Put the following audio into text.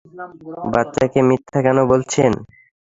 বাচ্চাকে মিথ্যা কেন বলছেন?